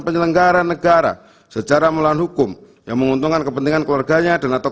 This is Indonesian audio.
penyelenggara negara secara melawan hukum yang menguntungkan kepentingan keluarganya dan atau